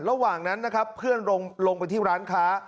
ระหว่างนั้นนะครับเพื่อนลงไปที่ร้านค้า